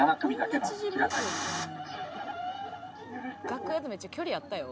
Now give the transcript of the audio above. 楽屋でめっちゃ距離あったよ。